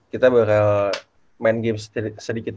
kita bakal main game sedikit